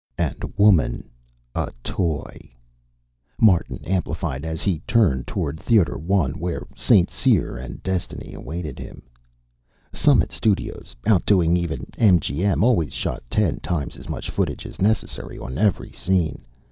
"'And woman a toy,'" Martin amplified, as he turned toward Theater One, where St. Cyr and destiny awaited him. Summit Studios, outdoing even MGM, always shot ten times as much footage as necessary on every scene.